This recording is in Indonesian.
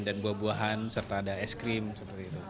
dan buah buahan serta ada es krim seperti itu